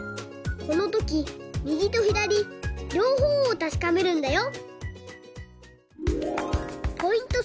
このときみぎとひだりりょうほうをたしかめるんだよ！